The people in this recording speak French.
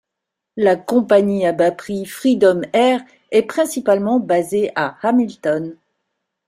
La compagnie à bas prix Freedom Air est principalement basée à Hamilton.